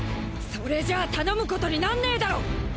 それじゃ頼むことになんねえだろ。